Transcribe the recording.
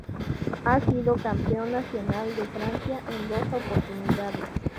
Ha sido campeón nacional de Francia en dos oportunidades.